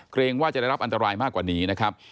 เกรงว่าจะได้รับอันตรายมากกว่านี้นะครับ